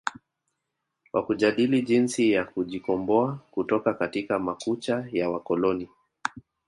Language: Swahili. wa kujadili jinsi ya kujikomboa kutoka katika makucha ya wakoloni